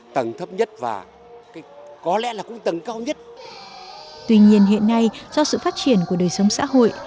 tuy nhiên hiện nay do sự phát triển của đời sống xã hội